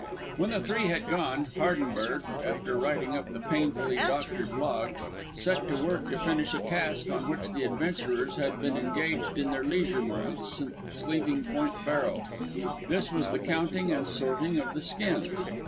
When the three had gone, Hardenberg, after writing up the painfully doctored log, set to work to finish a task on which the adventurers had been engaged in their leisure moments since leaving Point Barrow. This was the counting and sorting of the skins.